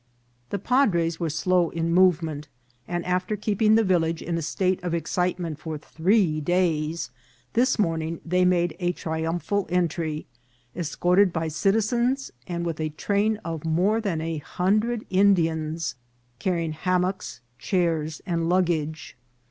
The padres were slow in movement, and after keeping the village in a state of excitement for three days, this morning they made a triumphal entry, escorted by citi zens, and with a train of more than a hundred Indians, carrying hammocks, chairs, and luggage.